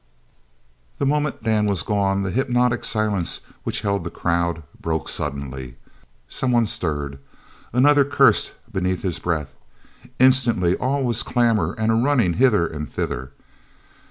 The moment Dan was gone the hypnotic silence which held the crowd, broke suddenly. Someone stirred. Another cursed beneath his breath. Instantly all was clamour and a running hither and thither.